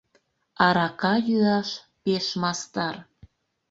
Арака йӱаш пеш мастар.